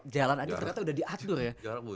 jalan aja ternyata udah diatur ya